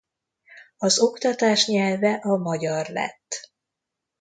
Az oktatás nyelve a magyar lett.